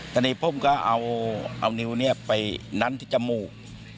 ตอนนี้ผมก็เอานิ้วไปนั้นที่จมูก